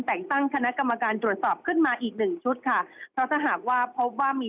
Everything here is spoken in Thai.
แต่งตั้งคณะกรรมการตรวจสอบขึ้นมาอีกหนึ่งชุดค่ะเพราะถ้าหากว่าพบว่ามี